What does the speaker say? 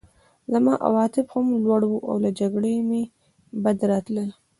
زما عواطف هم لوړ وو او له جګړې مې بد راتلل